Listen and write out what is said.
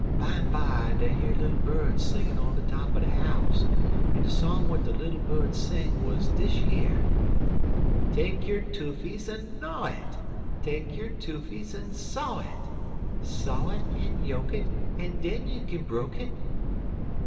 Bimeby dey hear little bird singin' on top er de house, en de song w'at de little bird sing wuz dish yer. "'Take yo' toofies en gnyaw it, Take yo' toofies en saw it, Saw it en yoke it, En den you kin broke it.'